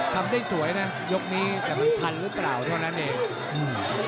ทำได้สวยนะยกนี้แต่มันทันหรือเปล่าเท่านั้นเองอืม